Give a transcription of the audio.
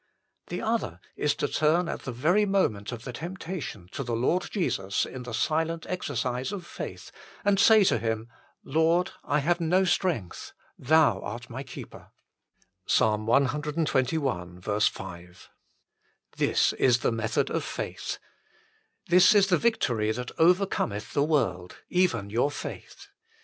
The other is to turn at the very moment of the temptation to the Lord Jesus in the silent exercise of faith and say to Him :" Lord, I have no strength. THOU art my Keeper." 1 This is the method of faith. " This is the victory that overcometh the world, even your faith."